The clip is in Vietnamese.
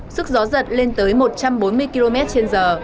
sức gió giật lên tới một trăm bốn mươi km trên giờ